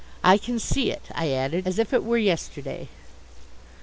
I can see it," I added, "as if it were yesterday."